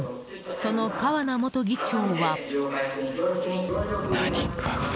その川名元議長は。